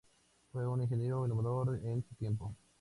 Fue un ingeniero innovador en su tiempo.